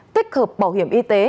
tích hợp bảo hiểm y tế